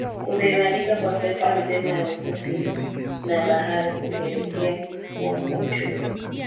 Kuimarika kwa sekta nzima ya uvuvi na bahari hupelekea kukuwa kwa uchumi